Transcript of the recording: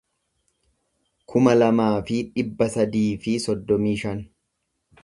kuma lamaa fi dhibba sadii fi soddomii shan